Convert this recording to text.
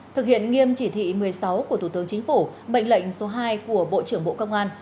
thực hiện nghiêm chỉ thị một mươi sáu của thủ tướng chính phủ bệnh lệnh số hai của bộ trưởng bộ công an